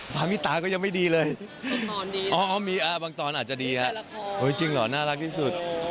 ฟ้ามีตาก็ยังไม่ดีเลยมีบางตอนอาจจะดีอะจริงเหรอน่ารักที่สุด